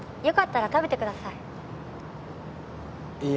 よかったら食べてください。